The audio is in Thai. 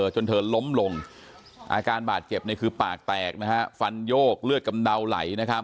จนเธอล้มลงอาการบาดเจ็บคือปากแตกฟันโยกเลือดกำเดาไหล